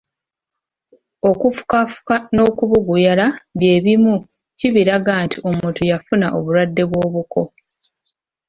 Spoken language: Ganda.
Okufukafuka n'okubuguyala bye bimu kibiraga nti omuntu yafuna obulwadde bw'obuko.